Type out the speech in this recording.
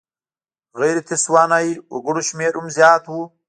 غیر تسوانایي وګړو شمېر هم زیات و.